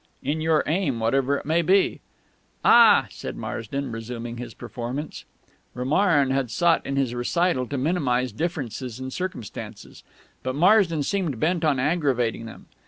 "In your aim, whatever it may be." "Ah!" said Marsden, resuming his performance. Romarin had sought in his recital to minimise differences in circumstances; but Marsden seemed bent on aggravating them.